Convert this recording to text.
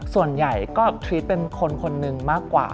ส่วนใหญ่ก็ทริปเป็นคนคนหนึ่งมากกว่า